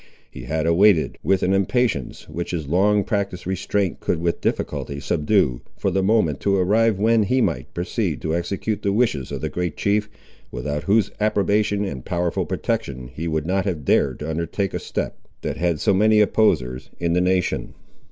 He had awaited, with an impatience which his long practised restraint could with difficulty subdue, for the moment to arrive when he might proceed to execute the wishes of the great chief, without whose approbation and powerful protection he would not have dared to undertake a step, that had so many opposers in the nation.